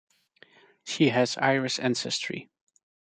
She has Irish ancestry.